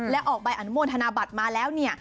และออกใบอนุโมทนาบัตรมาแล้วเนี่ย